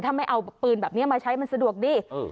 ถ้าไม่เอาปืนแบบนี้มาใช้มันสะดวกดี